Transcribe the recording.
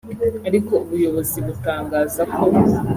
ariko ubuyobozi butangaza ko